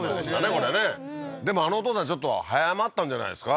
これねでもあのお父さんちょっと早まったんじゃないですか？